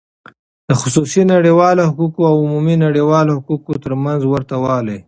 د خصوصی نړیوالو حقوقو او عمومی نړیوالو حقوقو تر منځ ورته والی :